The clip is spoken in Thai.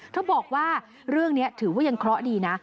บอกว่าเรื่องนี้ถือว่ายังเคราะห์ดีนะ